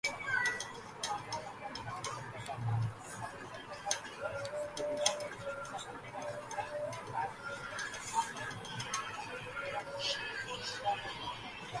In the course of the expedition, Charts gradually forms a relationship with Lai Fun.